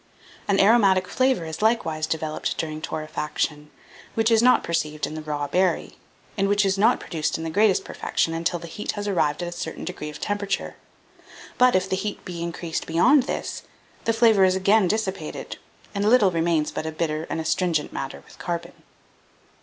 An aromatic flavour is likewise developed during torrefaction, which is not perceived in the raw berry, and which is not produced in the greatest perfection until the heat has arrived at a certain degree of temperature; but, if the heat be increased beyond this, the flavour is again dissipated, and little remains but a bitter and astringent matter with carbon.